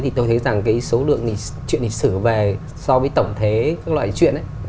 thì tôi thấy rằng cái số lượng truyện lịch sử về so với tổng thế các loại truyện ấy